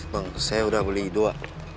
bang saya udah beli dua